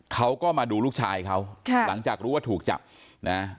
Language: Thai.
เขาก็มาดูลูกชายเขาค่ะหลังจากรู้ว่าถูกจับนะ